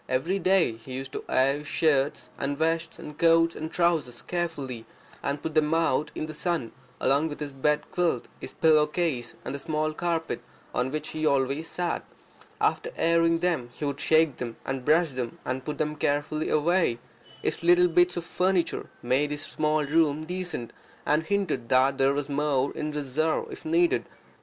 Every day he used to air his shirts and vests and coats and trousers carefully, and put them out in the sun, along with his bed quilt, his pillowcase, and the small carpet on which he always sat. After airing them he would shake them, and brush them, and put them on the rock. His little bits of furniture made his small room decent, and hinted that there was more in reserve if needed.